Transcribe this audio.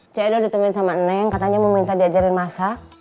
cik edo ditemuin sama neng katanya mau minta diajarin masak